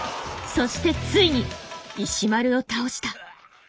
そしてついに石丸を倒した。